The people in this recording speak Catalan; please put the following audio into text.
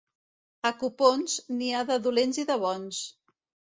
A Copons, n'hi ha de dolents i de bons.